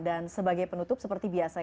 dan sebagai penutup seperti biasa